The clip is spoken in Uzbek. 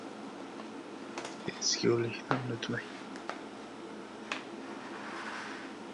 • Ezgulik unutilmaydi.